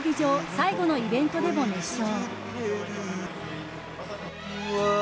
最後のイベントでも熱唱。